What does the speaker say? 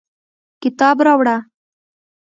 کتاب راوړه